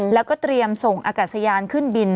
แล้วก็เตรียมส่งอากาศยานขึ้นบิน